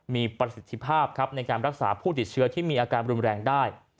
มีประสิทธิภาพครับในการรักษาผู้ติดเชื้อที่มีอาการรุนแรงได้